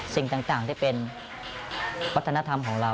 สิ่งต่างที่เป็นวัฒนธรรมของเรา